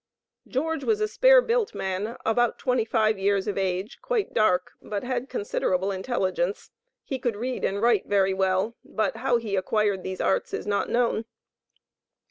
George was a spare built man, about twenty five years of age, quite dark, but had considerable intelligence. He could read and write very well, but how he acquired these arts is not known.